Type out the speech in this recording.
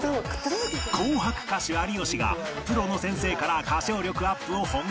『紅白』歌手有吉がプロの先生から歌唱力アップを本気で学ぶ